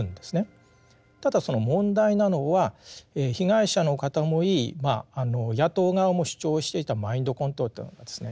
ただその問題なのは被害者の方も言い野党側も主張していたマインドコントロールというのがですね